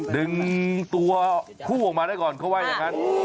ดึงตัวคู่ออกมาได้ก่อนเขาว่าอย่างนั้น